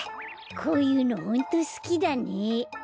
こういうのホントすきだね。